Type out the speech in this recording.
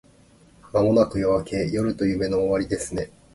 間もなく夜明け…夜と夢の終わりですね